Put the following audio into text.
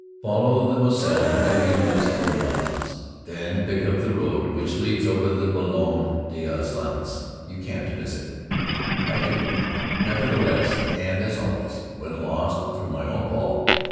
"Follow the Moselle until you lose it in the mountains. Then pick up the road which leads over the Ballon d'Alsace. You can't miss it." I did, nevertheless, and as always, when lost, through my own fault.